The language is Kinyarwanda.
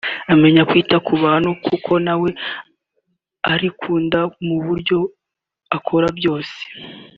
amenya kwita ku bandi kuko nawe arikunda mu byo akora byose